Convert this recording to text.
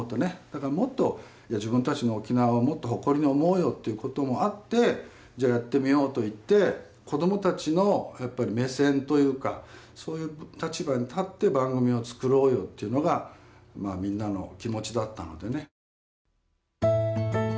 だからもっと自分たちの沖縄をもっと誇りに思おうよっていうこともあってじゃあやってみようといって子どもたちのやっぱり目線というかそういう立場に立って番組を作ろうよっていうのがみんなの気持ちだったのでね。